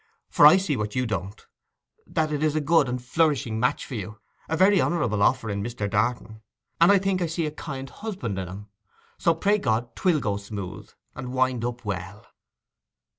'For I see what you don't, that it is a good and flourishing match for you; a very honourable offer in Mr. Darton. And I think I see a kind husband in him. So pray God 'twill go smooth, and wind up well.